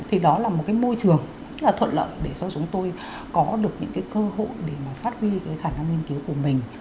thì đó là một cái môi trường rất là thuận lợi để cho chúng tôi có được những cái cơ hội để mà phát huy cái khả năng nghiên cứu của mình